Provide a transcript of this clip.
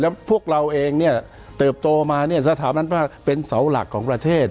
แล้วพวกเราเองเนี่ยเติบโตมาเนี่ยสถาบันพระเป็นเสาหลักของประเทศ